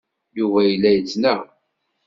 Yuba yella yettnaɣ.